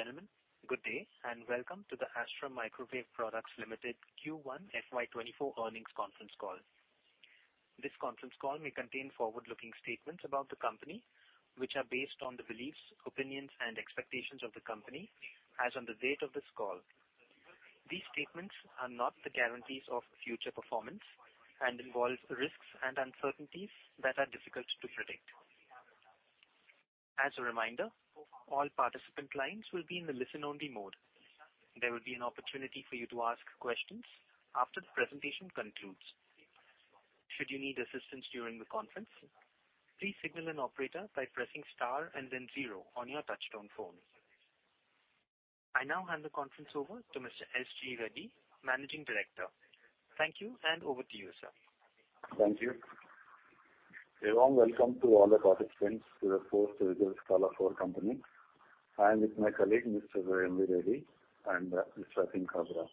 Ladies and gentlemen, good day, and welcome to the Astra Microwave Products Limited Q1 FY2024 earnings conference call. This conference call may contain forward-looking statements about the company, which are based on the beliefs, opinions, and expectations of the company as on the date of this call. These statements are not the guarantees of future performance and involve risks and uncertainties that are difficult to predict. As a reminder, all participant lines will be in the listen-only mode. There will be an opportunity for you to ask questions after the presentation concludes. Should you need assistance during the conference, please signal an operator by pressing star and then zero on your touchtone phone. I now hand the conference over to Mr. S. G. Reddy, Managing Director. Thank you, and over to you, sir. Thank you. A warm welcome to all the participants to the fourth results call of our company. I am with my colleague, Mr. M. V. Reddy and Mr. Rakesh Kabra,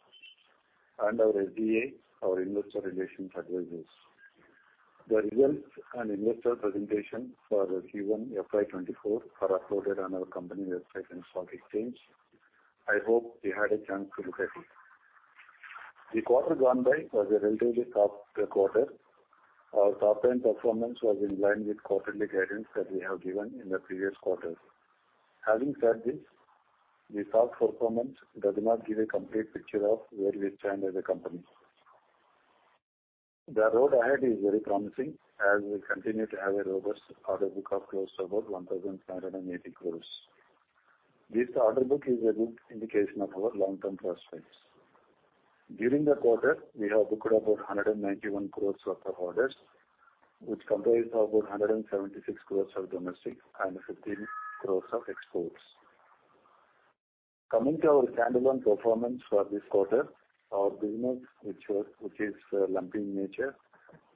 and our SGA, our Investor Relations Advisors. The results and investor presentation for the Q1 FY2024 are uploaded on our company website and the stock exchanges. I hope you had a chance to look at it. The quarter gone by was a relatively tough quarter. Our top-line performance was in line with quarterly guidance that we have given in the previous quarters. Having said this, the top-line performance does not give a complete picture of where we stand as a company. The road ahead is very promising as we continue to have a robust order book of close to about 1,780 crore. This order book is a good indication of our long-term prospects. During the quarter, we have booked about 191 crore worth of orders, which comprise of about 176 crore of domestic and 15 crore of exports. Coming to our standalone performance for this quarter, our business, which is lumpy in nature,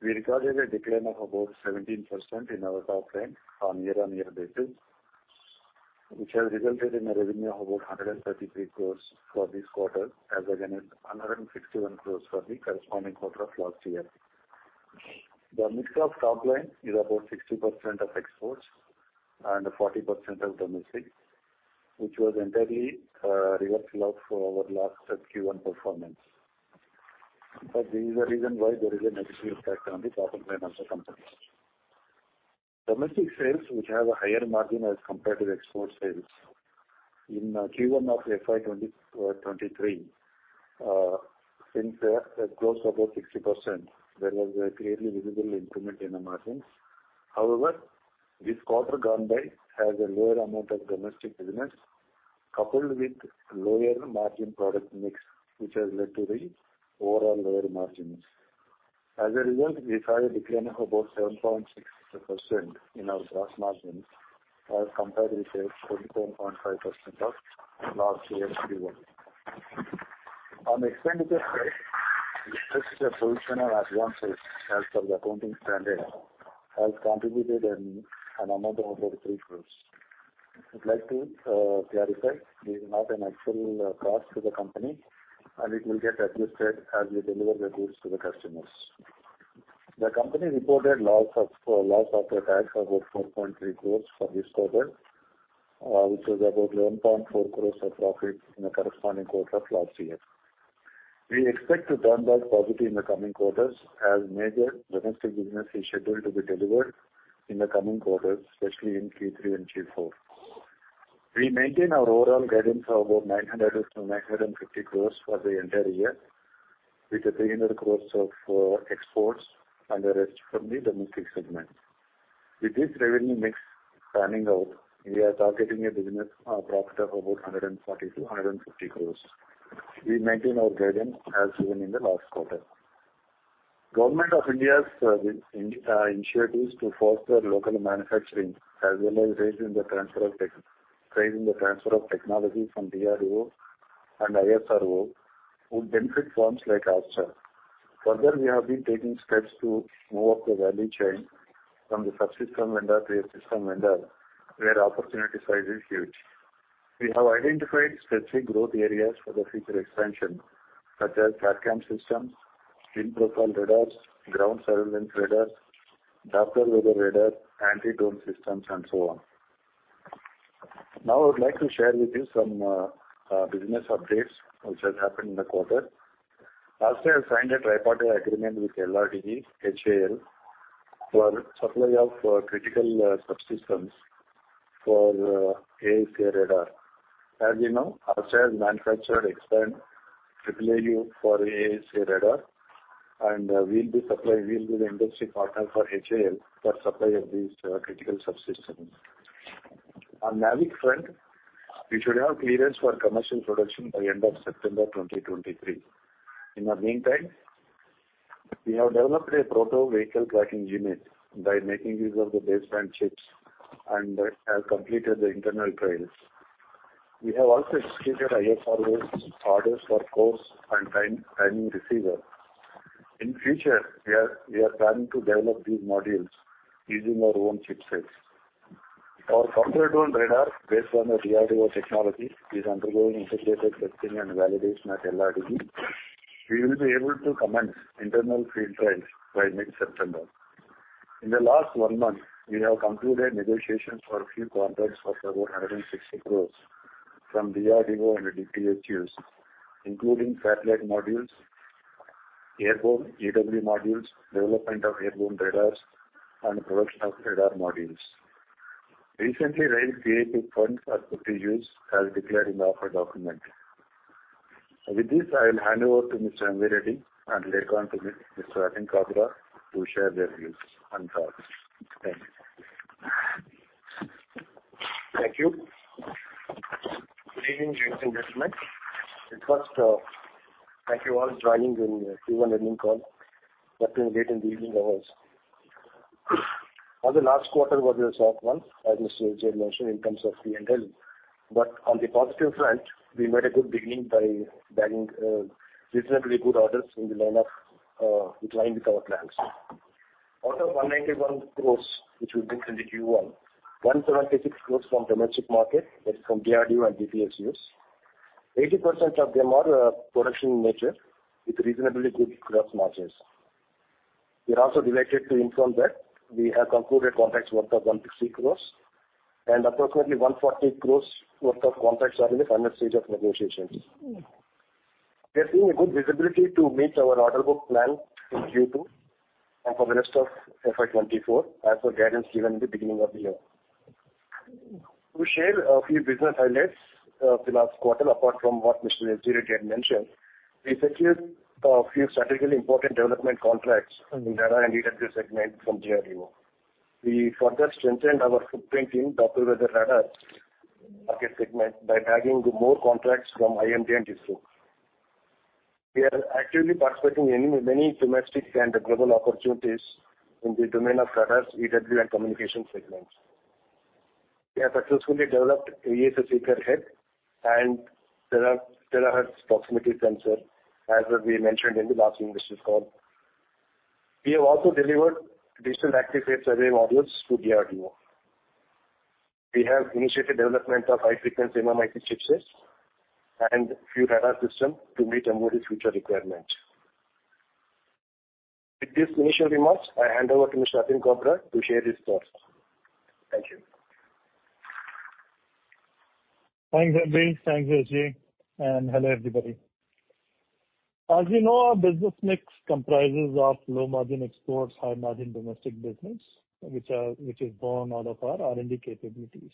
we recorded a decline of about 17% in our top line on a year-on-year basis, which has resulted in a revenue of about 133 crore for this quarter, as against 161 crore for the corresponding quarter of last year. The mix of the top line is about 60% of exports and 40% of domestic, which was an entire reversal of our last Q1 performance. This is the reason why there is a negative impact on the top line of the company. Domestic sales, which have a higher margin as compared to export sales. In Q1 of FY 2023, since they are close to about 60%, there was a clearly visible improvement in the margins. However, this quarter gone by has a lower amount of domestic business, coupled with lower-margin product mix, which has led to the overall lower margins. As a result, we saw a decline of about 7.6% in our gross margins as compared with 21.5% in last year's Q1. On the expenditure side, advances, as per the accounting standards, have contributed an amount of about 3 crore. I'd like to clarify, this is not an actual cost to the company, and it will get adjusted as we deliver the goods to the customers. The company reported a loss after tax of about 4.3 crore for this quarter, compared to a profit of about 1.4 crore in the corresponding quarter of last year. We expect to turn back positively in the coming quarters, as major domestic business is scheduled to be delivered in the coming quarters, especially in Q3 and Q4. We maintain our overall guidance of about 900 crore-950 crore for the entire year, with 300 crore of exports and the rest from the domestic segment. With this revenue mix panning out, we are targeting a business profit of about 140 crore-150 crore. We maintain our guidance as given in the last quarter. Government of India’s initiatives to foster local manufacturing, as well as raising the transfer of technology from DRDO and ISRO, would benefit firms like Astra. We have been taking steps to move up the value chain from the subsystem vendor to a system vendor, where opportunity size is huge. We have identified specific growth areas for the future expansion, such as SATCOM systems, wind profiler radars, ground surveillance radars, and Doppler weather radars, anti-drone systems, and so on. I would like to share with you some business updates, which has happened in the quarter. Astra has signed a tripartite agreement with LRDE and HAL for the supply of critical subsystems for AESA radar. As you know, Astra has manufactured, expanded AAAU for AESA radar, and we'll be supplying-- we will be the industry partner for HAL, for supply of these critical subsystems. On NavIC front, we should have clearance for commercial production by end of September 2023. In the meantime, we have developed a prototype vehicle tracking unit by making use of the baseline chips and have completed the internal trials. We have also executed ISRO's orders for Coarse Time & Timing Receiver. In future, we are planning to develop these modules using our own chipsets. Our software-defined radar, based on the DRDO technology, is undergoing integrated testing and validation at LRDE. We will be able to commence internal field trials by mid-September. In the last one month, we have concluded negotiations for a few contracts of about 160 crore from DRDO and DPSUs, including satellite modules, airborne EW modules, development of airborne radars, and production of radar modules. Recently raised QIP funds are put to use, as declared in the offer document. With this, I will hand over to Mr. M.V. Reddy and later on to Mr. Atin Kapur, to share their views and thoughts. Thank you. Thank you. Good evening, ladies and gentlemen. First, thank you all for joining in Q1 earning call, that too in late in the evening hours. The last quarter was a soft one, as Mr. S. G. Reddy mentioned, in terms of P&L. On the positive front, we made a good beginning by bagging reasonably good orders in the line of in line with our plans. Out of 191 crore, which we booked in the Q1, 176 crore from domestic market, that's from DRDO and DPSUs. 80% of them are production in nature, with reasonably good gross margins. We are also delighted to inform that we have concluded contracts worth 160 crore, and approximately 140 crore worth of contracts are in the final stage of negotiations. We are seeing a good visibility to meet our order book plan in Q2, and for the rest of FY24, as per guidance given in the beginning of the year. To share a few business highlights of the last quarter, apart from what Mr. S. G. Reddy had mentioned, we secured a few strategically important development contracts in radar and EW segment from DRDO. We further strengthened our footprint in Doppler weather radar market segment by bagging more contracts from IMD and ISRO. We are actively participating in many domestic and global opportunities in the domain of radars, EW, and communication segments. We have successfully developed AESA seeker head and terahertz proximity sensor, as we mentioned in the last earnings call. We have also delivered digital active array surveillance modules to DRDO. We have initiated development of high-frequency MMIC chipsets and a few radar systems to meet a modest future requirement. With these initial remarks, I hand over to Mr. Atin Kapur to share his thoughts. Thank you. Thanks, M.V. Thanks, Ajay. Hello, everybody. As you know, our business mix comprises of low-margin exports, high-margin domestic business, which, which is born out of our R&D capabilities.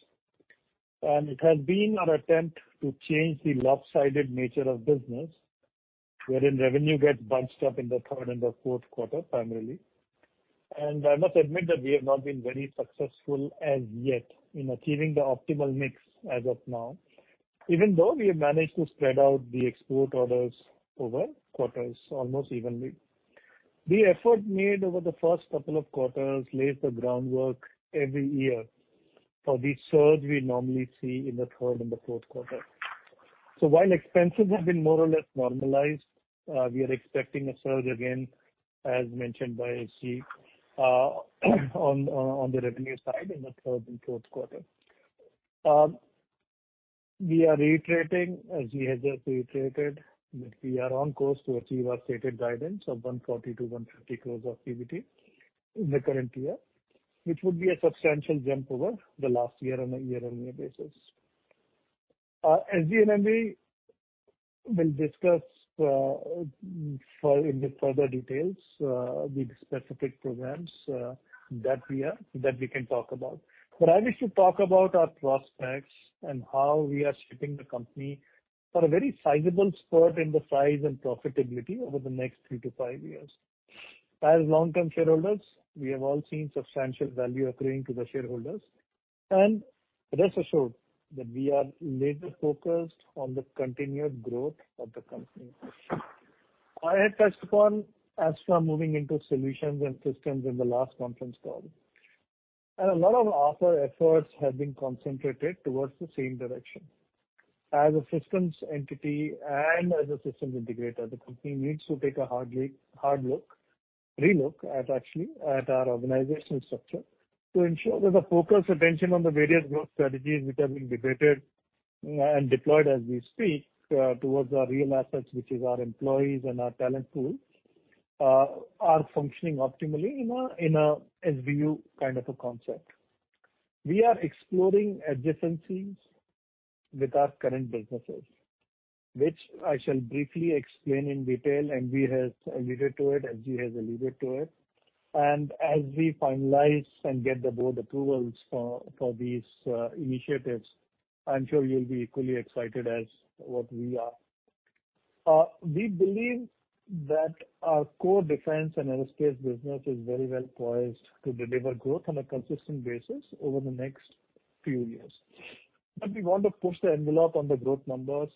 It has been our attempt to change the lopsided nature of business, wherein revenue gets bunched up in the third and the fourth quarter, primarily. I must admit that we have not been very successful as yet in achieving the optimal mix as of now, even though we have managed to spread out the export orders over quarters, almost evenly. The effort made over the first couple of quarters lays the groundwork every year for the surge we normally see in the third and the fourth quarter. While expenses have been more or less normalized, we are expecting a surge again, as mentioned by Ajay, on the revenue side in the third and fourth quarter. We are reiterating, as we have just reiterated that we are on course to achieve our stated guidance of 140-150 crore of PBT in the current year, which would be a substantial jump over the last year on a year-on-year basis. As Ajay and M.V. will discuss in the further details, the specific programs that we can talk about. I wish to talk about our prospects and how we are shaping the company for a very sizable spurt in the size and profitability over the next 3 to 5 years. As long-term shareholders, we have all seen substantial value accruing to the shareholders, rest assured that we are laser focused on the continued growth of the company. I had touched upon Astra moving into solutions and systems in the last conference call, a lot of our efforts have been concentrated towards the same direction. As a systems entity and as a systems integrator, the company needs to take a hard look, relook at actually, at our organizational structure to ensure that the focused attention on the various growth strategies, which are being debated and deployed as we speak, towards our real assets, which is our employees and our talent pool, are functioning optimally in a, in a SBU kind of a concept. We are exploring adjacencies with our current businesses, which I shall briefly explain in detail, M.V. has alluded to it, Ajay has alluded to it. As we finalize and get the board approvals for these initiatives, I'm sure you'll be equally excited as what we are. We believe that our core defense and aerospace business is very well poised to deliver growth on a consistent basis over the next few years. We want to push the envelope on the growth numbers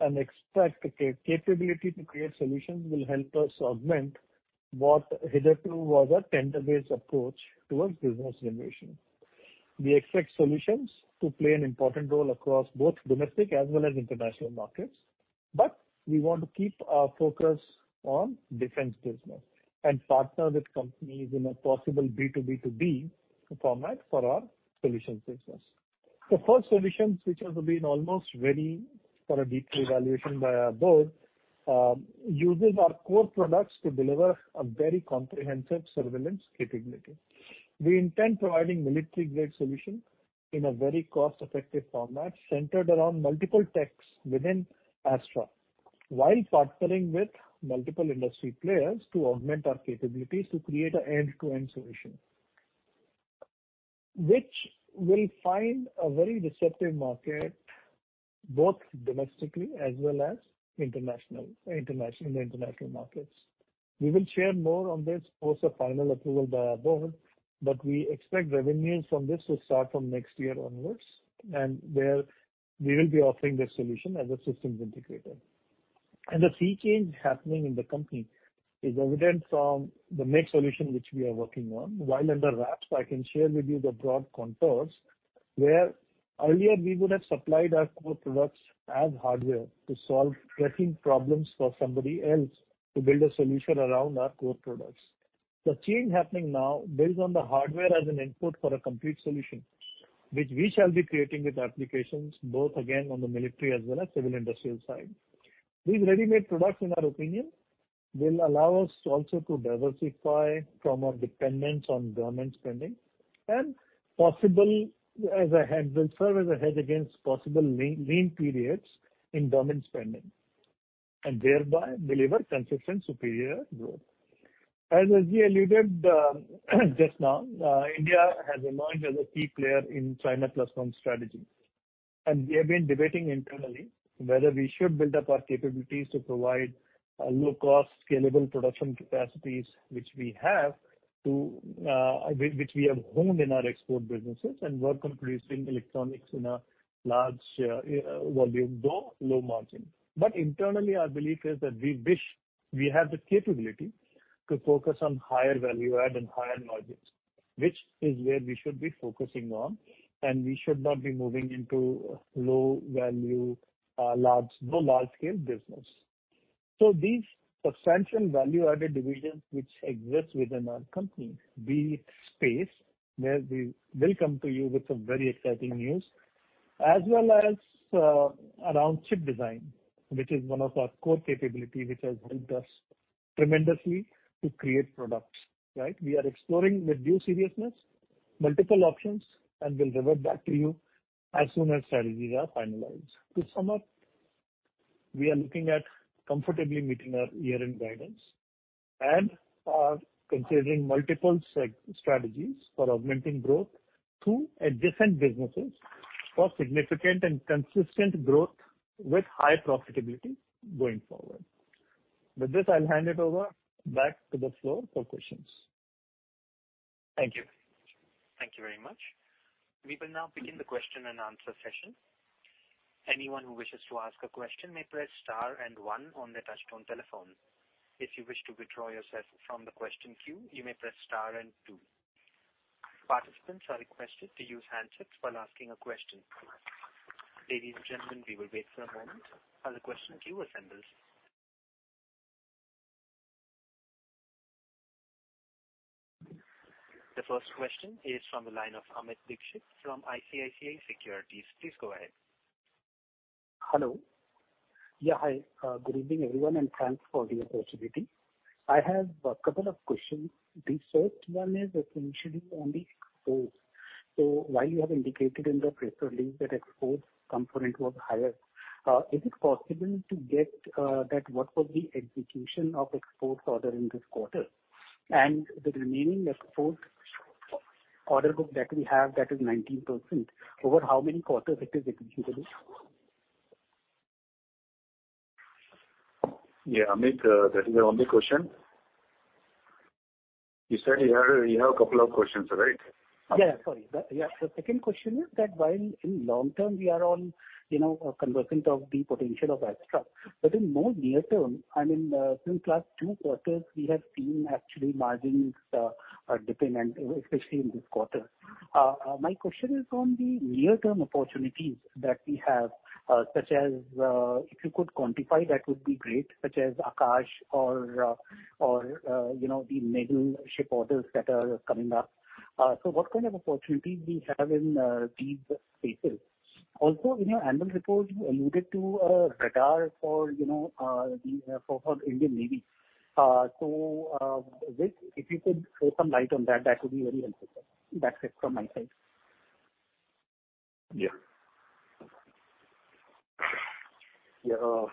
and expect capability to create solutions will help us augment what hitherto was a tender-based approach towards business generation. We expect solutions to play an important role across both domestic as well as international markets, but we want to keep our focus on defense business and partner with companies in a possible B to B to B format for our solutions business. The first solutions, which have been almost very for a deep evaluation by our board, uses our core products to deliver a very comprehensive surveillance capability. We intend providing military-grade solutions in a very cost-effective format, centered around multiple technologies within Astra, while partnering with multiple industry players to augment our capabilities to create an end-to-end solution. Which will find a very receptive market, both domestically as well as international, international, in the international markets. We will share more on this post the final approval by our board, but we expect revenues from this to start from next year onwards, and where we will be offering this solution as a systems integrator. The key change happening in the company is evident from the next solution which we are working on. While under wraps, I can share with you the broad contours, where earlier we would have supplied our core products as hardware to solve pressing problems for somebody else to build a solution around our core products. The change happening now builds on the hardware as an input for a complete solution, which we shall be creating with applications, both again, on the military as well as civil industrial side. These ready-made products, in our opinion, will allow us also to diversify from our dependence on government spending and possible as a hedge, will serve as a hedge against possible lean, lean periods in government spending, and thereby deliver consistent, superior growth. As Ajay alluded, just now, India has emerged as a key player in China+1 strategy, and we have been debating internally whether we should build up our capabilities to provide a low-cost, scalable production capacities, which we have, to, which, which we have honed in our export businesses and work on producing electronics in a large volume, though low margin. Internally, our belief is that we wish we have the capability to focus on higher value add and higher margins, which is where we should be focusing on, and we should not be moving into low value, large, no large-scale business. These substantial value-added divisions, which exist within our company, be it space, where we will come to you with some very exciting news, as well as around chip design, which is one of our core capability, which has helped us tremendously to create products, right? We are exploring with due seriousness, multiple options, and will revert back to you as soon as strategies are finalized. To sum up, we are looking at comfortably meeting our year-end guidance and are considering multiple strategies for augmenting growth through adjacent businesses for significant and consistent growth with high profitability going forward. With this, I'll hand it over back to the floor for questions. Thank you. Thank you very much. We will now begin the question and answer session. Anyone who wishes to ask a question may press star and one on their touchtone telephone. If you wish to withdraw yourself from the question queue, you may press star and two. Participants are requested to use handsets while asking a question. Ladies and gentlemen, we will wait for a moment while the question queue assembles. The first question is from the line of Amit Dixit from ICICI Securities. Please go ahead. Hello. Yeah, hi. Good evening, everyone, and thanks for the opportunity. I have a couple of questions. The first one is essentially on the exports. While you have indicated in the press release that exports component was higher, is it possible to get that what was the execution of exports order in this quarter? The remaining export order book that we have, that is 19%, over how many quarters is it executable? Yeah, Amit, that is the only question? You said you had, you have a couple of questions, right? Yeah, sorry. Yeah. The second question is that while in long term, we are all, you know, conversant of the potential of Astra, but in more near term, I mean, in last 2 quarters, we have seen actually margins, are dependent, especially in this quarter. My question is on the near-term opportunities that we have, such as, if you could quantify that would be great, such as Akash or, you know, the naval ship orders that are coming up. What kind of opportunities we have in these spaces? In your annual report, you alluded to a radar for, you know, the, for Indian Navy. This, if you could throw some light on that, that would be very helpful. That's it from my side. Yeah. The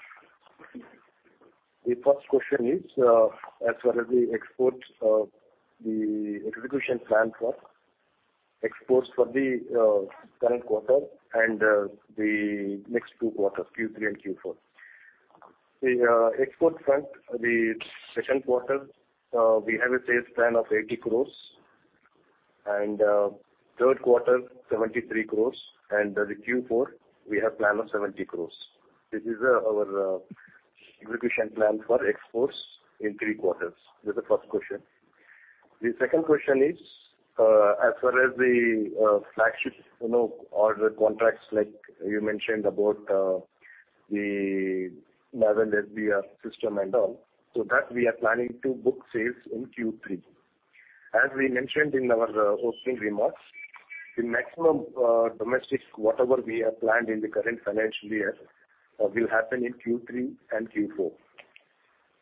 first question is, as far as the exports, the execution plan for exports for the current quarter and the next two quarters, Q3 and Q4. The export front, the second quarter, we have a sales plan of 80 crores, and third quarter, 73 crores, and the Q4, we have plan of 70 crores. This is our execution plan for exports in three quarters. This is the first question. The second question is, as far as the flagship, you know, order contracts, like you mentioned about the naval SDR system and all, that we are planning to book sales in Q3. As we mentioned in our opening remarks, the maximum domestic, whatever we have planned in the current financial year, will happen in Q3 and Q4.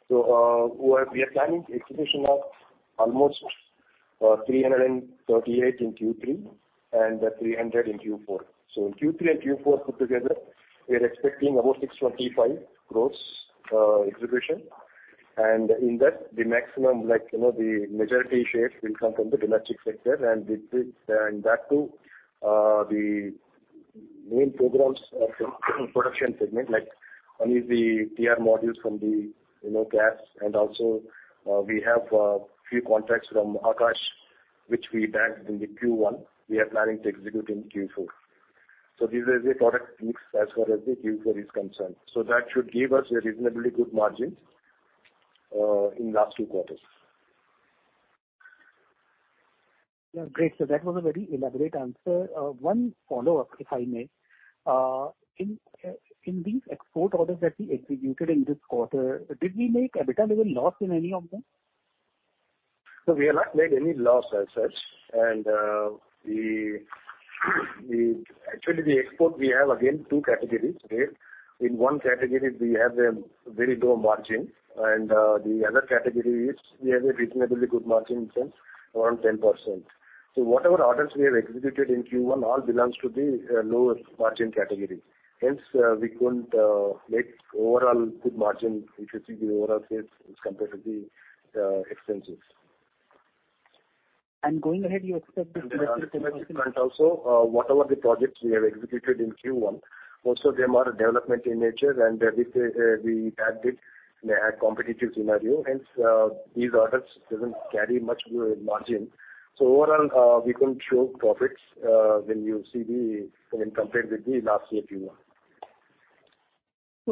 We are, we are planning execution of almost 338 crore in Q3 and 300 in Q4. In Q3 and Q4 put together, we are expecting about 625 crore of gross execution. In that, the maximum, like, you know, the majority share will come from the domestic sector, and that too, the main programs of the production segment, like only the TR modules from the, you know, CAS. Also, we have few contracts from Akash, which we bagged in the Q1, we are planning to execute in Q4. This is a product mix as far as the Q4 is concerned, so that should give us a reasonably good margin, in last 2 quarters. Yeah, great. That was a very elaborate answer. One follow-up, if I may. In these export orders that we executed in this quarter, did we make EBITDA level loss in any of them? We have not made any loss as such. We actually, the export, we have again, two categories, right? In one category, we have a very low margin, and the other category is we have a reasonably good margin, in the sense, around 10%. Whatever orders we have executed in Q1 all belongs to the lower margin category. Hence, we couldn't make overall good margin, if you see the overall sales as compared to the expenses. going ahead, you expect the Also, whatever the projects we have executed in Q1, also they are more development in nature, and we, we add it in a competitive scenario. Hence, these orders doesn't carry much good margin. Overall, we couldn't show profits, when compared with the last year Q1.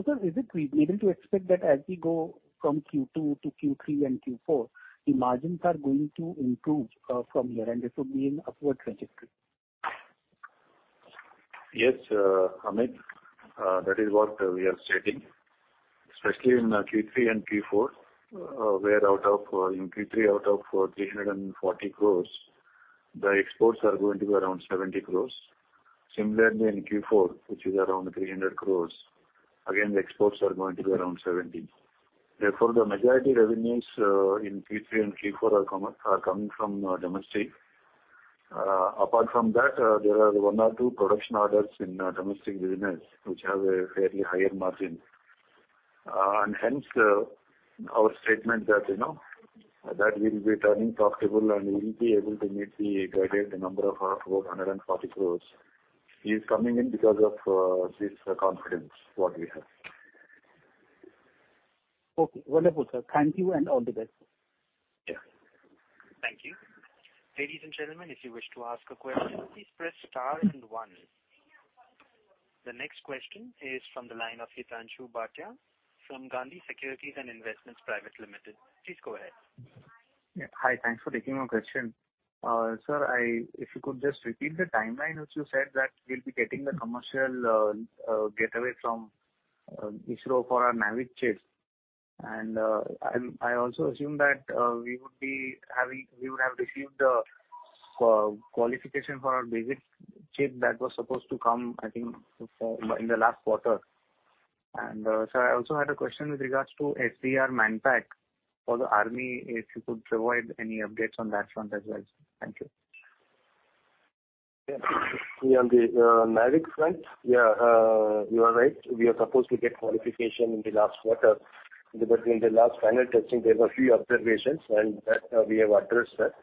Sir, is it we able to expect that as we go from Q2 to Q3 and Q4, the margins are going to improve from here, and this will be in upward trajectory? Yes, Amit, that is what we are stating, especially in Q3 and Q4, where out of, in Q3, out of 340 crore, the exports are going to be around 70 crore. Similarly, in Q4, which is around 300 crore, again, the exports are going to be around 70 crore. Therefore, the majority revenues in Q3 and Q4 are coming from domestic. Apart from that, there are 1 or 2 production orders in domestic business, which have a fairly higher margin. And hence, our statement that, you know, that we will be turning profitable and we will be able to meet the guided number of about 140 crore, is coming in because of this confidence what we have. Okay, wonderful, sir. Thank you and all the best. Yeah. Thank you. Ladies and gentlemen, if you wish to ask a question, please press star and one. The next question is from the line of Hitanshu Bhatia from Khandwala Securities and Investment Private Limited. Please go ahead. Yeah. Hi, thanks for taking my question. Sir, I-- if you could just repeat the timeline, which you said that we'll be getting the commercial gateway from ISRO for our NavIC chip. I also assume that we would have received the qualification for our basic chip that was supposed to come, I think, in the last quarter. Sir, I also had a question with regards to SDR Manpack for the Army, if you could provide any updates on that front as well. Thank you. Yeah. On the NavIC front, yeah, you are right. We are supposed to get qualification in the last quarter. In the last final testing, there were a few observations, and that we have addressed that.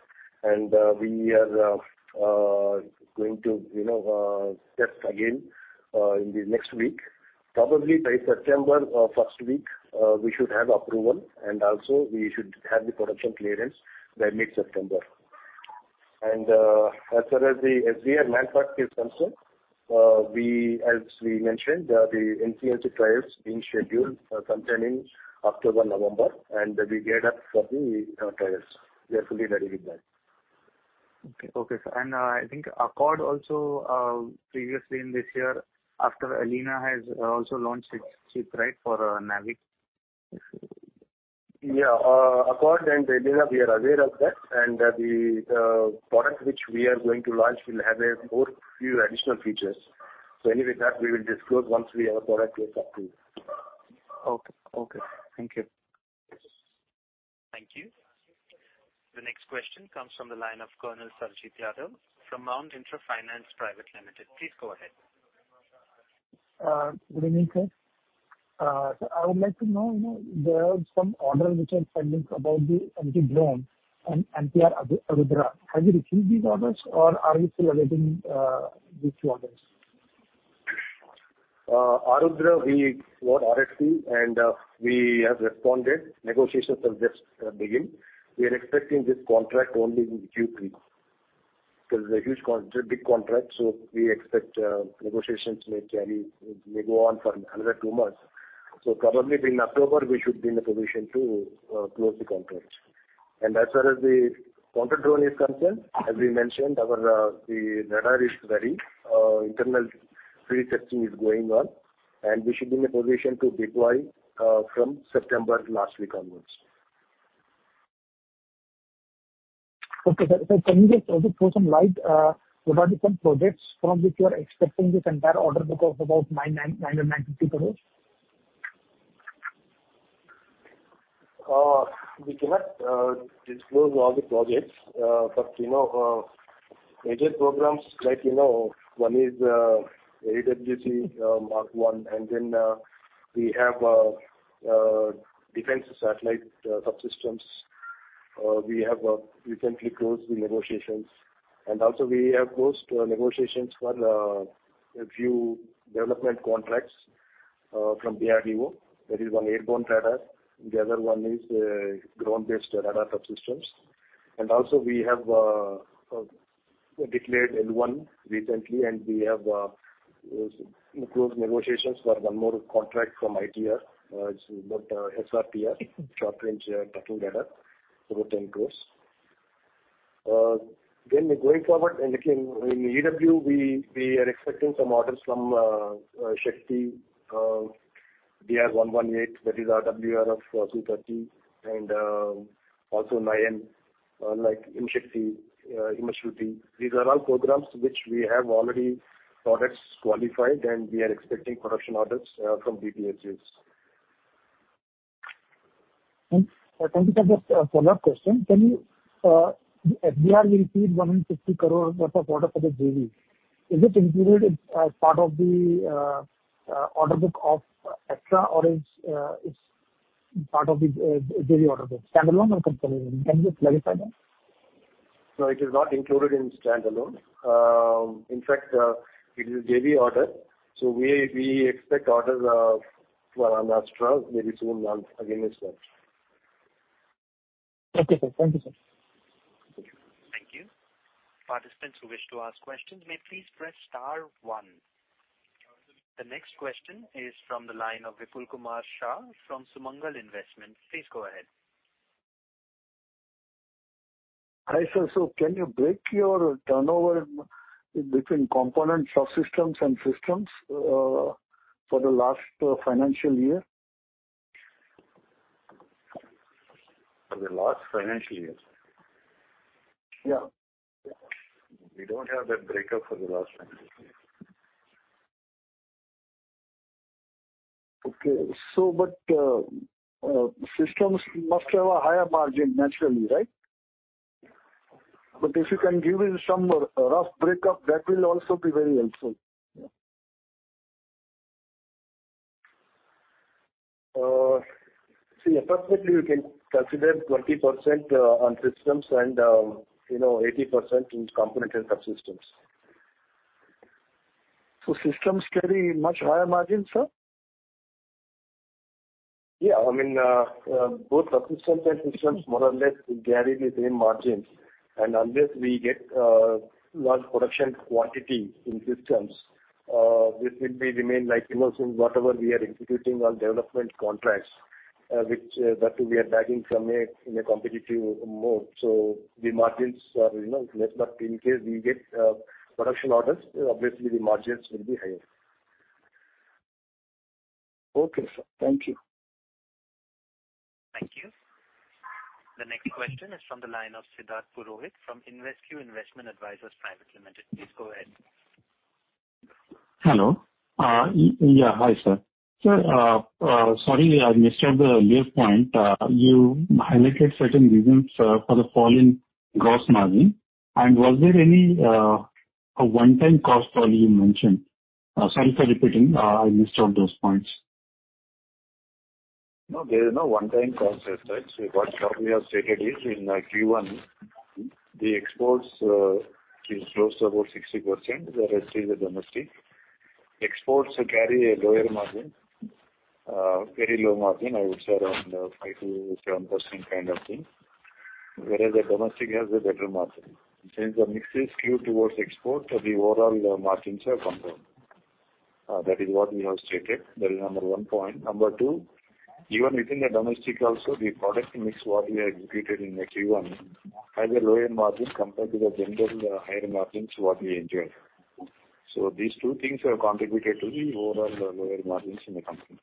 We are going to, you know, test again in the next week. Probably by September, first week, we should have approval, and also we should have the production clearance by mid-September. As far as the SDR Manpack is concerned, as we mentioned, the NCTC trials being scheduled for sometime in October, November, and we gear up for the trials. We are fully ready with that. Okay, okay, sir. I think Accord Software also, previously in this year, after Elina has also launched its chip, right, for, NavIC? Yeah, Accord Software and Elina, we are aware of that. The product which we are going to launch will have a more few additional features. Anyway, that we will disclose once we have a product which approved. Okay, okay. Thank you. Thank you. The next question comes from the line of Colonel Sarjeet Yadav from Mount Intra Finance Private Limited. Please go ahead. Good evening, sir. I would like to know, you know, there are some orders which are pending about the anti-drone and MPR Arudhra. Have you received these orders, or are you still awaiting these 2 orders? Arudhra, we got RFP, and we have responded. Negotiations have just begin. We are expecting this contract only in Q3, because it's a huge con- a big contract, so we expect negotiations may go on for another 2 months. Probably in October, we should be in a position to close the contract. As far as the counter-drone is concerned, as we mentioned, our the radar is very pre-testing is going on, and we should be in a position to deploy from September last week onwards. Okay, sir. Can you just also throw some light about the some projects from which you are expecting this entire order book of about 992 crore? We cannot disclose all the projects. You know, major programs, like, you know, one is AWACS Mk-I, we have defense satellite subsystems. We have recently closed the negotiations, we have closed negotiations for a few development contracts from DRDO. That is one airborne radar, the other one is ground-based radar subsystems. We have declared L1 recently, we have closed negotiations for one more contract from ITR. It's about SRPR, short-range tracking radar, for INR 10 crore. In EW, we are expecting some orders from Shakhti, DR-118, that is RWR of 230, also Nayan, like IM Shakhti, IM Sruti. These are all programs which we have already products qualified, and we are expecting production orders from DPSUs. Thank you, sir. Just a follow-up question. Can you, FDR received 150 crore worth of order for the JV. Is it included as part of the, order book of Astra, or it's, it's part of the, JV order book? Standalone or company, can you just clarify that? No, it is not included in standalone. In fact, it is a JV order, we, we expect orders, for on Astra maybe soon once again this month. Okay, sir. Thank you, sir. Thank you. Participants who wish to ask questions may please press star one. The next question is from the line of Vipul Kumar Shah from Sumangal Investment. Please go ahead. Hi, sir. Can you break your turnover between component subsystems and systems for the last financial year? For the last financial year? Yeah. We don't have that breakup for the last financial year. Okay. But, systems must have a higher margin naturally, right? If you can give me some rough breakup, that will also be very helpful. See, approximately we can consider 20% on systems and, you know, 80% in component and subsystems. Systems carry much higher margins, sir? Yeah. I mean, both the systems and subsystems, more or less carry the same margins. Unless we get large production quantity in systems, this will be remain like, you know, whatever we are executing on development contracts, that we are bagging from a, in a competitive mode. The margins are, you know, less, but in case we get production orders, obviously the margins will be higher. Okay, sir. Thank you. Thank you. The next question is from the line of Siddharth Purohit from Investque Investment Advisors Private Limited. Please go ahead. Hello. Yeah, hi, sir. Sir, sorry, I missed out the earlier point. You highlighted certain reasons for the falling gross margin. Was there any a one-time cost probably you mentioned? Sorry for repeating, I missed out those points. No, there is no one-time cost, as such. What we have stated is in Q1, the exports is close to about 60%, the rest is the domestic. Exports carry a lower margin, very low margin, I would say around 5%-7% kind of thing, whereas the domestic has a better margin. Since the mix is skewed towards export, the overall margins have come down. That is what we have stated. That is number 1 point. Number 2, even within the domestic also, the product mix what we have executed in the Q1, have a lower margin compared to the general, higher margins what we enjoyed. These two things have contributed to the overall lower margins in the company.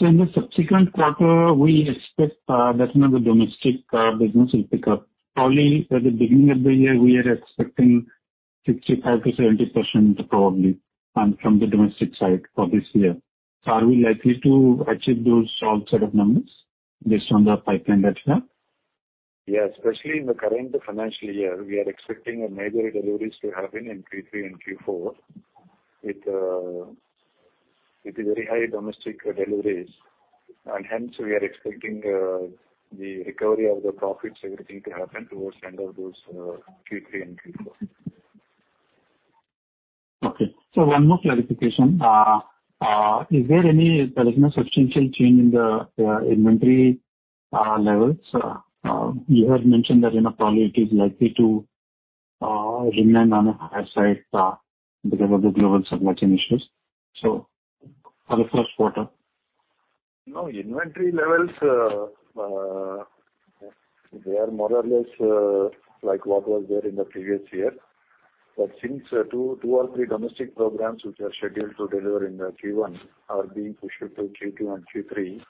In the subsequent quarter, we expect that now the domestic business will pick up. Probably at the beginning of the year, we are expecting 65%-70% probably, from the domestic side for this year. Are we likely to achieve those sort of numbers based on the pipeline that you have? Yes, especially in the current financial year, we are expecting a major deliveries to happen in Q3 and Q4 with very high domestic deliveries. Hence we are expecting the recovery of the profits, everything to happen towards end of those Q3 and Q4. clarification: Is there any substantial change in the inventory levels? You had mentioned that, you know, probably it is likely to remain on a higher side because of the global supply chain issues. So for the first quarter? No, inventory levels, they are more or less, like what was there in the previous year. Since two or three domestic programs which are scheduled to deliver in the Q1 are being pushed to Q2 and Q3,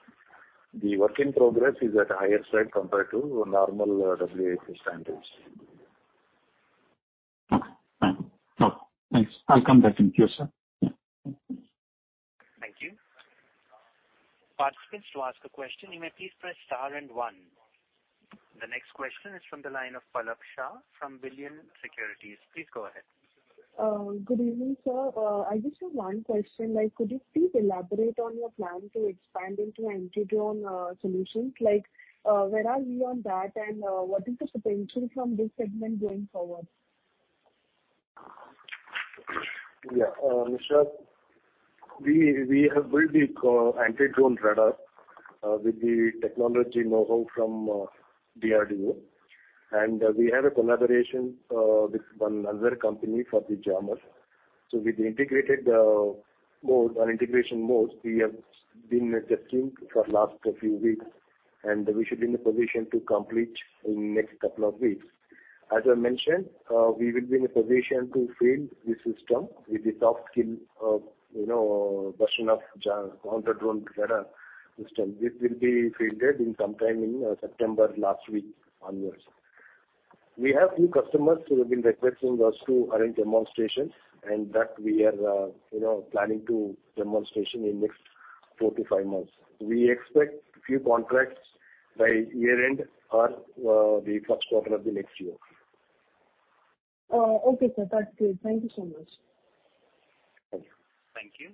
the work in progress is at a higher side compared to normal WHS standards. Okay. Fine. Oh, thanks. I'll come back in queue, sir. Thank you. Participants, to ask a question, you may please press star and one. The next question is from the line of Palak Shah from Billion Securities. Please go ahead. Good evening, sir. I just have one question. Could you please elaborate on your plan to expand into anti-drone solutions? Where are we on that, and what is the potential from this segment going forward? Palak, we have built the anti-drone radar with the technology know-how from DRDO. We have a collaboration with one other company for the jammers. With the integrated mode, on integration mode, we have been adjusting for last few weeks, and we should be in a position to complete in next couple of weeks. As I mentioned, we will be in a position to field the system with the soft skill of, you know, version of jam, counter-drone radar system. This will be fielded in sometime in September last week onwards. We have few customers who have been requesting us to arrange demonstrations, and that we are, you know, planning to demonstration in next four to five months. We expect few contracts by year-end or the first quarter of the next year. Okay, sir. That's great. Thank you so much. Thank you. Thank you.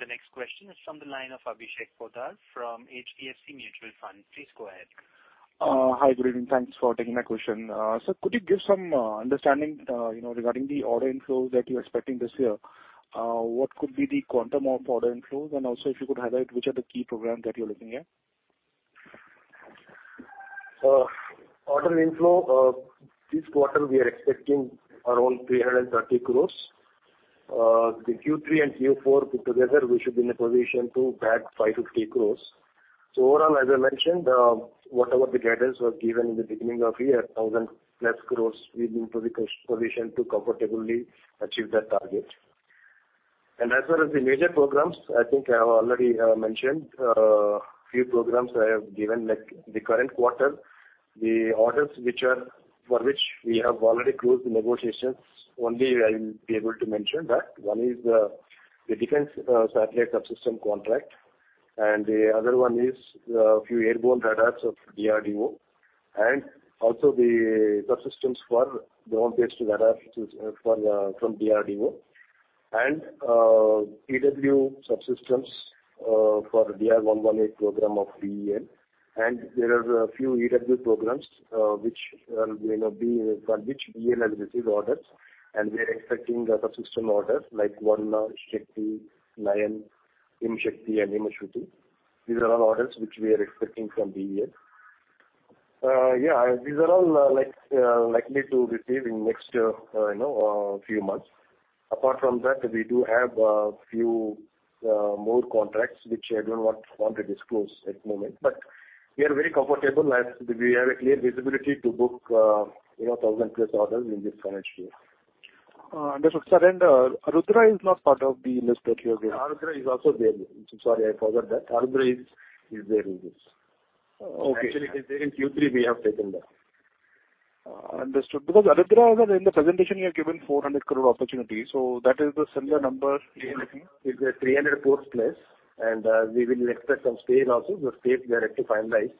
The next question is from the line of Abhishek Poddar from HDFC Mutual Fund. Please go ahead. Hi, good evening. Thanks for taking my question. Sir, could you give some understanding, you know, regarding the order inflows that you're expecting this year? What could be the quantum of order inflows, and also if you could highlight which are the key programs that you're looking at? Order inflow, this quarter, we are expecting around 330 crore. The Q3 and Q4 put together, we should be in a position to bag 5 crore-8 crore. Overall, as I mentioned, whatever the guidance was given in the beginning of the year, 1,000+ crore, we've been to the position to comfortably achieve that target. As well as the major programs, I think I have already mentioned few programs I have given, like, the current quarter. The orders for which we have already closed the negotiations, only I will be able to mention that. One is the Defence Satellite Subsystem contract, the other one is few airborne radars of DRDO, also the subsystems for ground-based radar, which is Palak, we have builtfrom DRDO, and EW subsystems for DR-118 program of BEL. There are a few EW programs which, you know, for which BEL has received orders, and we are expecting the subsystem orders like Varuna, Shakhti, Nayan, IM Shakhti, and IM Ashwini. These are all orders which we are expecting from BEL. Yeah, these are all like likely to receive in next, you know, few months. Apart from that, we do have few more contracts, which I don't want to disclose at the moment. We are very comfortable as we have a clear visibility to book, you know, 1,000-plus orders in this current year. understood. Sir, Arudhra is not part of the list that you have here? Arudhra is also there. I'm sorry, I forgot that. Arudhra is there in this. Okay. Actually, it's there in Q3, we have taken that. understood. Arudhra, in the presentation, you have given 400 crore opportunity, so that is the similar number we are looking? It's a 300 crore+, and, we will expect some scale also, the scale we are yet to finalize.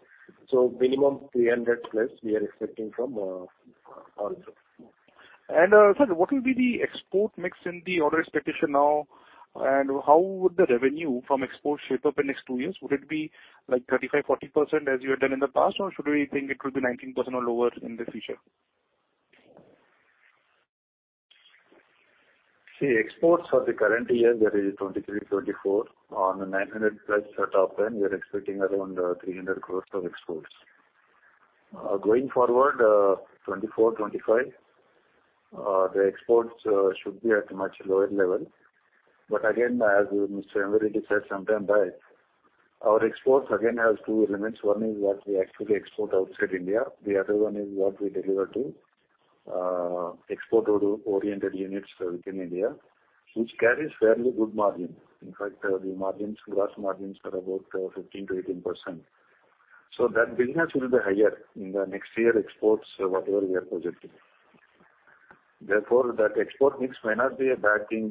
Minimum 300+ we are expecting from Arudhra. Sir, what will be the export mix in the order expectation now? How would the revenue from export shape up in next two years? Would it be like 35%-40%, as you have done in the past, or should we think it will be 19% or lower in the future? See, exports for the current year, that is 2023, 2024, on the 900+ top end, we are expecting around 300 crore of exports. Going forward, 2024, 2025, the exports should be at a much lower level. Again, as Mr. Amrit Raj said sometime back, our exports again has two elements. One is what we actually export outside India. The other one is what we deliver to export-oriented units within India, which carries fairly good margin. In fact, the margins, gross margins are about 15%-18%. That business will be higher in the next year exports, whatever we are projecting. Therefore, that export mix may not be a bad thing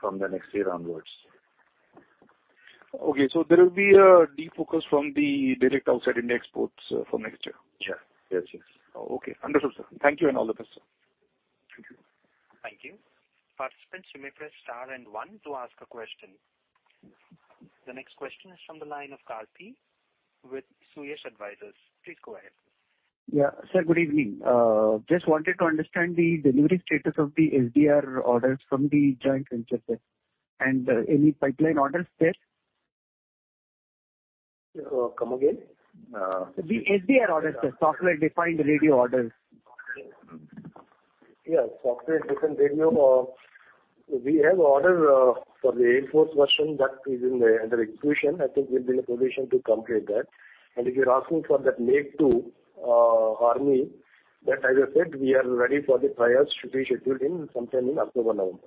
from the next year onwards. Okay. There will be a defocus from the direct outside India exports from next year? Yeah. Yes, yes. Okay. Understood, sir. Thank you, and all the best, sir. Thank you. Thank you. Participants, you may press star and one to ask a question. The next question is from the line of Karpi with Suyash Advisors. Please go ahead. Yeah. Sir, good evening. Just wanted to understand the delivery status of the SDR orders from the joint venture there, and, any pipeline orders there? Come again? The SDR orders, the software-defined radio orders. Yes, software-defined radio, we have order for the Air Force version that is in the under execution. I think we'll be in a position to complete that. If you're asking for that Mk-2, Army, that as I said, we are ready for the trials to be scheduled in sometime in October, November.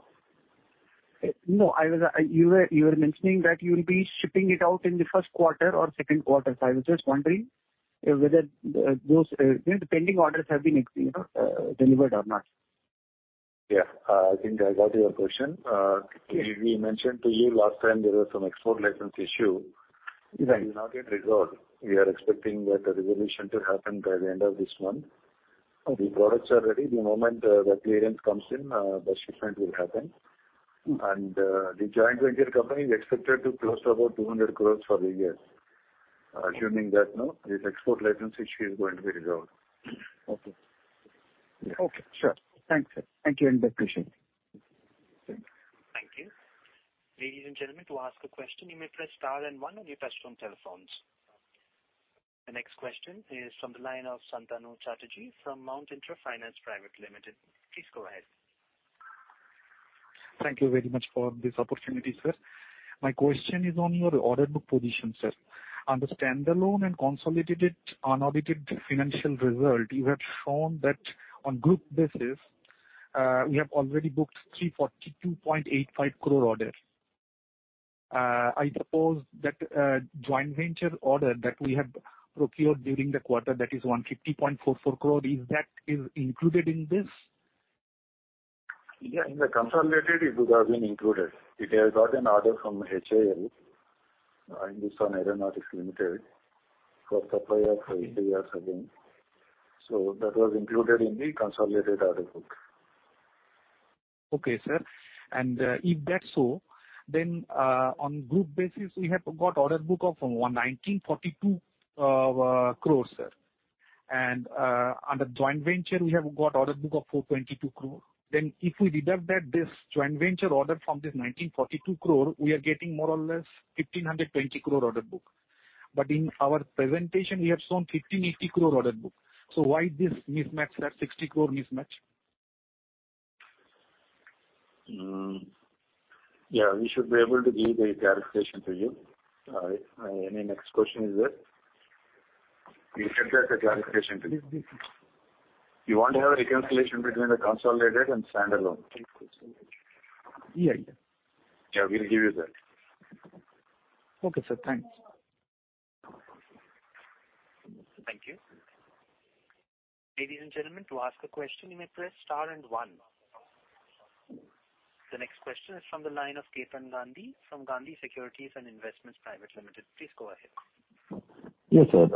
No, I was... You were, you were mentioning that you will be shipping it out in the first quarter or second quarter. I was just wondering whether those pending orders have been, you know, delivered or not? Yeah. I think I got your question. We, we mentioned to you last time there was some export license issue... Right. It is not yet resolved. We are expecting that the resolution to happen by the end of this month. Okay. The products are ready. The moment, the clearance comes in, the shipment will happen. Mm. The joint venture company is expected to close about 2,000 crore for this year, assuming that, you know, this export license issue is going to be resolved. Okay. Okay, sure. Thanks, sir. Thank you, and I appreciate it. Thank you. Ladies and gentlemen, to ask a question, you may press star and one on your touchtone telephones. The next question is from the line of Santanu Chatterjee from Mount Intra Finance Private Limited. Please go ahead. Thank you very much for this opportunity, sir. My question is on your order book position, sir. Understand the loan and consolidated unaudited financial result, you have shown that on group basis, we have already booked 342.85 crore order. I suppose that, joint venture order that we have procured during the quarter, that is 150.44 crore, is that is included in this? Yeah, in the consolidated, it would have been included. It has got an order from Hindustan Aeronautics Limited (HAL), for supply of ARS again. That was included in the consolidated order book. Okay, sir. If that's so, on group basis, we have got order book of 1,942 crore, sir. Under joint venture, we have got order book of 422 crore. If we deduct that, this joint venture order from this 1,942 crore, we are getting more or less 1,520 crore order book. In our presentation, we have shown 1,580 crore order book. Why this mismatch, that 60 crore mismatch? Mm. Yeah, we should be able to give a clarification to you. Any next question is there? We will get the clarification to you. Yes, please. You want to have a reconciliation between the consolidated and standalone? Yeah, yeah. Yeah, we'll give you that. Okay, sir. Thanks. Thank you. Ladies and gentlemen, to ask a question, you may press star and one. The next question is from the line of Ketan Gandhi, from Gandhi Securities and Investment Private Limited. Please go ahead. Yes, sir.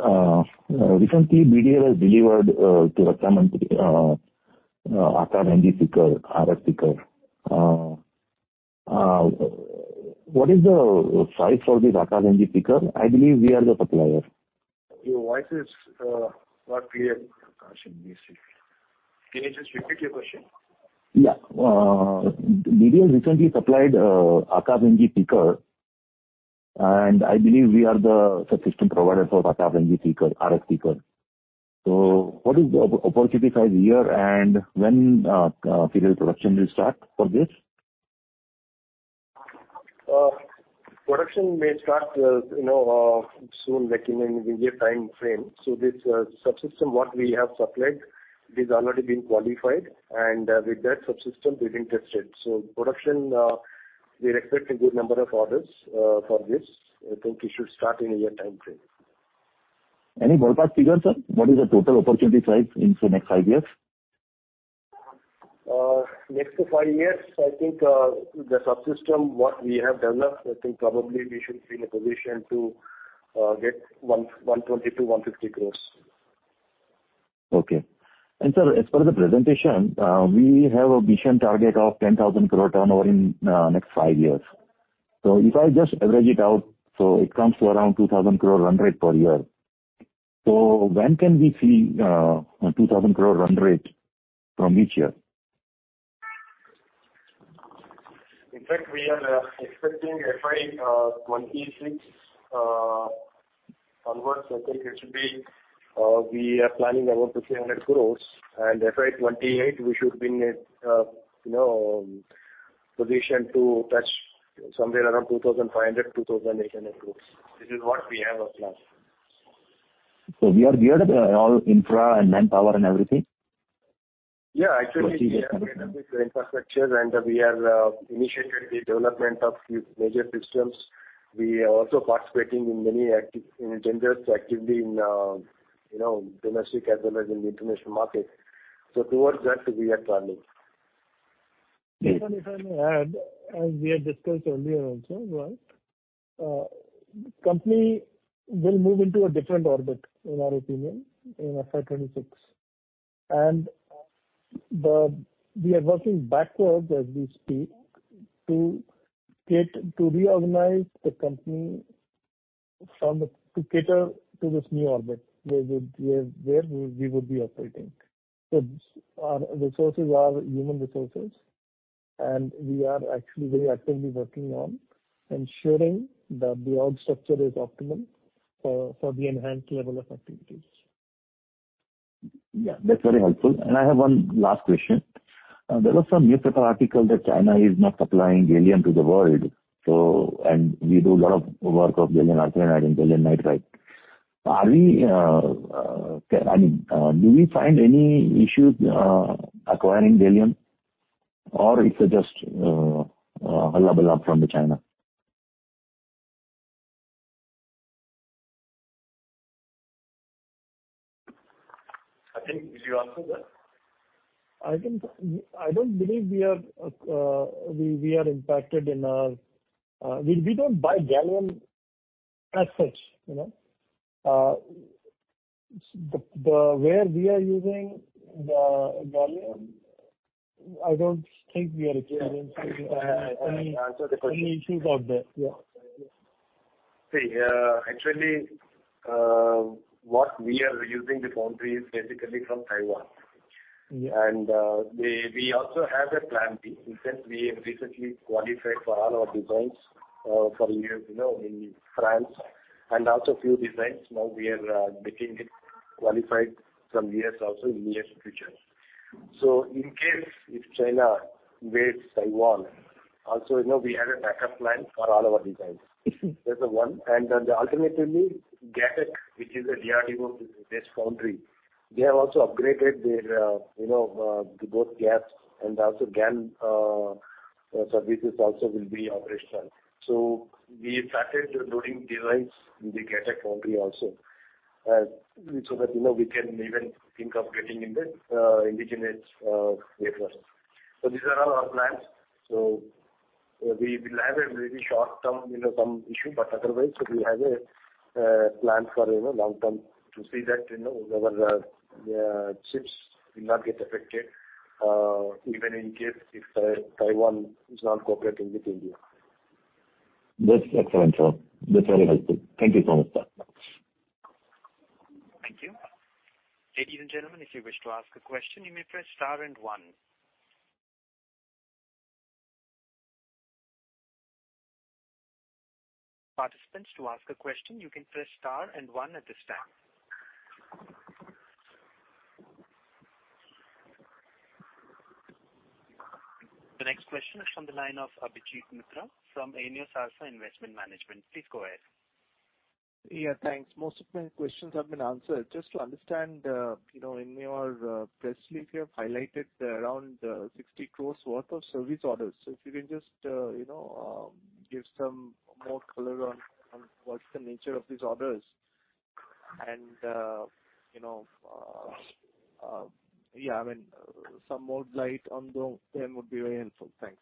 Recently, BDL has delivered to the Akash NG seeker, RF seeker. What is the size for this Akash NG seeker? I believe we are the supplier. Your voice is not clear, Akash NG seeker. Can you just repeat your question? Yeah. BDL recently supplied Akash NG seeker, I believe we are the subsystem provider for Akash NG seeker, RF seeker. What is the opportunity size here, and when serial production will start for this? Production may start, you know, soon, like in a 1 year timeframe. This subsystem, what we have supplied, it is already been qualified, and with that subsystem, we've been tested. Production, we expect a good number of orders for this. I think it should start in a 1 year timeframe. Any ballpark figures, sir? What is the total opportunity size into next five years? Next to five years, I think, the subsystem, what we have developed, I think probably we should be in a position to get 120 crore-150 crore. Okay. Sir, as per the presentation, we have a mission target of 10,000 crore turnover in next five years. If I just average it out, so it comes to around 2,000 crore run rate per year. When can we see a 2,000 crore run rate from each year? In fact, we are expecting FY26 onwards. I think it should be, we are planning about 2,000 crore. FY28, we should be in a, you know, position to touch somewhere around 2,500 crore-2,800 crore. This is what we have as plan. We are geared all infra and manpower and everything? Yeah, actually. Proceed, yes. We are geared up with infrastructure, and we have initiated the development of few major systems. We are also participating in many In tenders, actively in, you know, domestic as well as in the international market. Towards that, we are planning. Ketan if I may add, as we have discussed earlier also, right? Company will move into a different orbit, in our opinion, in FY26. We are working backwards as we speak, to get to reorganize the company to cater to this new orbit, where we would be operating. Our resources are human resources. We are actually very actively working on ensuring that the org structure is optimum for, for the enhanced level of activities. Yeah, that's very helpful. I have one last question. There was some newspaper article that China is not supplying gallium to the world, so-- and we do a lot of work of gallium arsenide and gallium nitride. Are we, I mean, do we find any issues acquiring gallium, or is it just hullabaloo from China? I think, did you answer that? I don't believe we are, we, we are impacted in our... We, we don't buy gallium as such, you know. The, the, where we are using the gallium, I don't think we are experiencing any issues out there. Yeah. See, actually, what we are using the foundry is based in Taiwan. Yeah. We, we also have a plan B. In fact, we have recently qualified for all our designs, for years, you know, in France, and also a few designs. Now we are making it qualified some years also in near future. In case if China waits, Taiwan also, you know, we have a backup plan for all our designs. That's the one. Then alternatively, GAETEC, which is a DRDO-based foundry, they have also upgraded their, you know, both GaAs and also GaN, so this is also will be operational. We started loading device with the GAETEC foundry also, so that, you know, we can even think of getting in the indigenous wafers. These are all our plans. We will have a very short-term, you know, some issue, but otherwise, we have a plan for, you know, long term to see that, you know, our chips will not get affected, even in case if Taiwan is not cooperating with India. That's excellent, sir. That's very helpful. Thank you so much, sir. Thank you. Ladies and gentlemen, if you wish to ask a question, you may press star and one. Participants, to ask a question, you can press star and one at this time. The next question is from the line of Abhijeet Mitra from Anived Sala Investment Management. Please go ahead. Yeah, thanks. Most of my questions have been answered. Just to understand, you know, in your press release, you have highlighted around 60 crore worth of service orders. If you can just, you know, give some more color on, on what's the nature of these orders. You know, yeah, I mean, some more light on them would be very helpful. Thanks.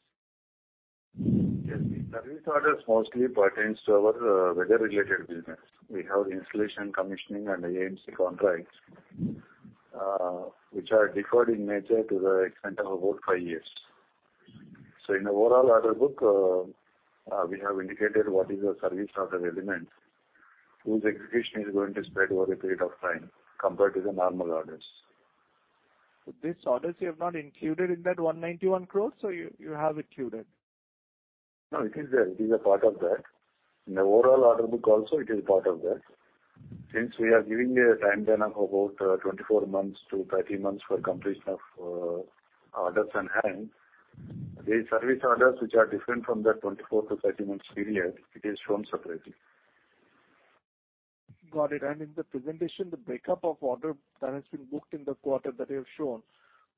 Yes. The service orders mostly pertains to our weather-related business. We have installation, commissioning, and AMC contracts, which are deferred in nature to the extent of about five years. In the overall order book, we have indicated what is the service order element, whose execution is going to spread over a period of time compared to the normal orders. These orders, you have not included in that 191 crore, or you, you have included? No, it is there. It is a part of that. In the overall order book also, it is part of that. Since we are giving a time span of about, 24 months to 30 months for completion of, orders on hand, the service orders, which are different from that 24 to 30 months period, it is shown separately. Got it. In the presentation, the breakup of order that has been booked in the quarter that you have shown,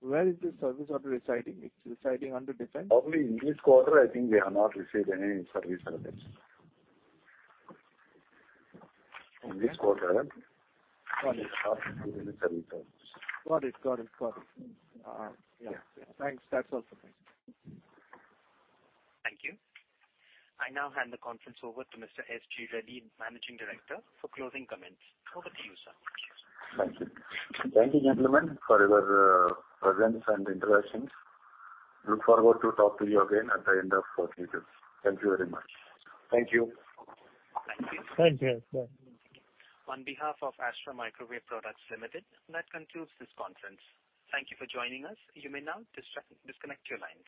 where is the service order residing? It's residing under different- Probably in this quarter, I think we have not received any service orders. In this quarter, service. Got it. Got it. Got it. Yeah. Yeah. Thanks. That's all for me. Thank you. I now hand the conference over to Mr. S. G. Reddy, Managing Director, for closing comments. Over to you, sir. Thank you. Thank you, gentlemen, for your presence and interactions. Look forward to talking to you againn at the end of quarter results. Thank you very much. Thank you. Thank you. Thank you. Bye. On behalf of Astra Microwave Products Limited, that concludes this conference. Thank you for joining us. You may now disconnect your lines.